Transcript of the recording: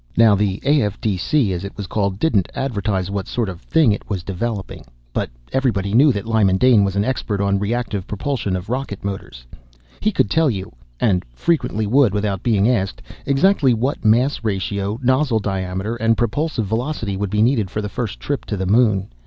Now the AFDC, as it was called, didn't advertise what sort of thing it was developing but everybody knew that Lyman Dane was an expert on reactive propulsion of rocket motors. He could tell you and frequently would without being asked exactly what mass ratio, nozzle diameter and propulsive velocity would be needed for the first trip to the Moon.